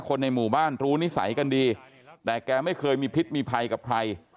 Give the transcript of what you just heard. คนในหมู่บ้านรู้นิสัยกันดีแต่แกไม่เคยมีพิษมีภัยกับใคร